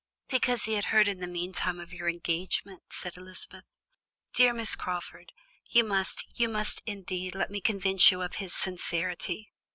"Because he had heard in the meantime of your engagement," said Elizabeth. "Dear Miss Crawford, you must, you must, indeed, let me convince you of his sincerity.